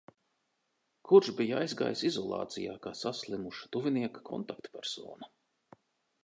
Kurš bija aizgājis izolācijā kā saslimuša tuvinieka kontaktpersona.